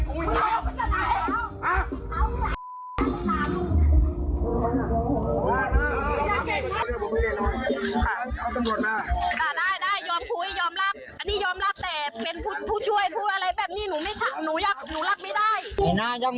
ผู้อะไรแบบนี้หนูไม่ช่าง